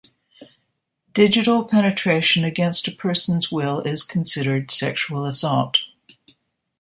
Digital penetration against a person's will is considered sexual assault.